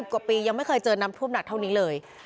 กว่าปียังไม่เคยเจอน้ำท่วมหนักเท่านี้เลย